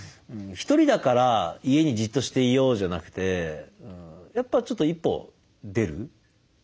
「ひとりだから家にじっとしていよう」じゃなくてやっぱちょっと一歩出る。